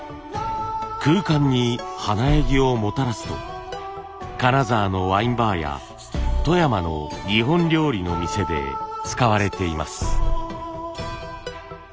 空間に華やぎをもたらすと金沢のワインバーや富山の日本料理の店で使われています。